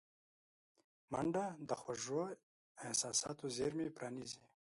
منډه د خوږو احساساتو زېرمې پرانیزي